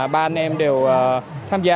ba anh em đều tham gia